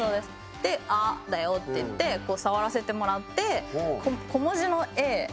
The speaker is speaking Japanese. で「『あ』だよ」って言ってこう触らせてもらって小文字の「ａ」見えます？